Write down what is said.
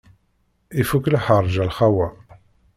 Ifuk lḥerǧ a lxawa.